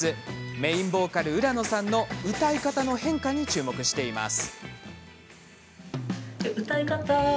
メインボーカル、浦野さんの歌い方の変化に注目しています。